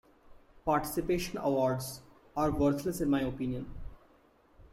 Participation awards are worthless in my opinion.